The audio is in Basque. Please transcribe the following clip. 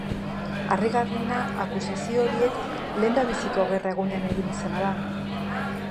Harrigarriena, akusazio horiek, lehendabiziko gerra egunean egin izana da.